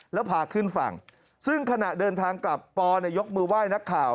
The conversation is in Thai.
แล้วพาขึ้นฝั่งซึ่งขณะเดินทางกลับปอยกมือไหว้นักข่าว